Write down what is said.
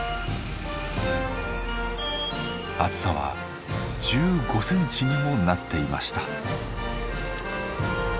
厚さは１５センチにもなっていました。